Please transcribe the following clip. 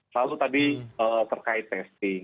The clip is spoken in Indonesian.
lalu tadi terkait testing